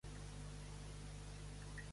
Al este limita con la Ciudad Dr.